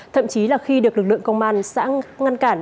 thậm chí là khi được lực lượng công an xã ngăn cản